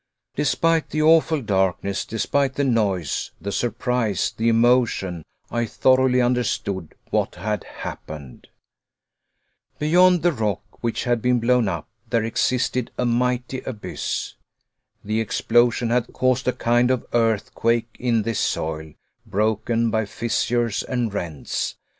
Despite the awful darkness, despite the noise, the surprise, the emotion, I thoroughly understood what had happened. Beyond the rock which had been blown up, there existed a mighty abyss. The explosion had caused a kind of earthquake in this soil, broken by fissures and rents.